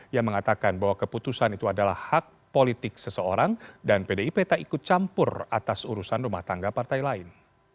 yang mengatakan bahwa keputusan itu adalah hak politik seseorang dan pdip tak ikut campur atas urusan rumah tangga partai lain